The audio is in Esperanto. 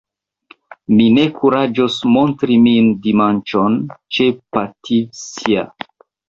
mi ne kuraĝos montri min, dimanĉon, ĉe Patisja!